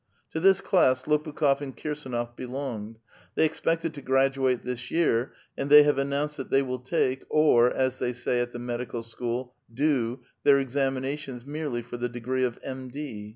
To this class Lopu kh6f and Kirsdnof belonged. They expected to graduate this year, and they have announced that they will take, or, as they say at the medical school/' do," their exarahiations merely for the degree of M. D.